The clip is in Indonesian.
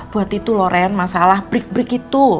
buat itu lho ren masalah break break itu